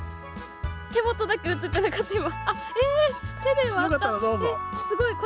手元だけ映ってなかった、今！